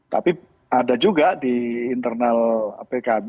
tapi ada juga di internal pkb